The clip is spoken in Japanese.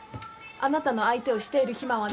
あなたの相手をしている暇は。